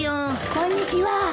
・・こんにちは。